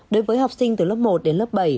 đối với học sinh từ lớp một đến lớp bảy